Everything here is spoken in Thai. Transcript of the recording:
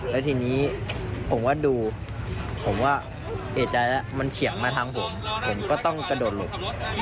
แล้วทีนี้ผมก็ดูผมก็เอกใจแล้วมันเฉียงมาทางผมผมก็ต้องกระโดดหลบ